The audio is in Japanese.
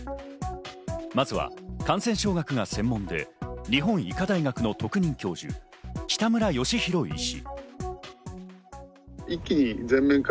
まずは感染症学が専門で日本医科大学の特任教授・北村義浩医師。